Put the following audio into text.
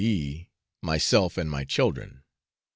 e. myself and my children.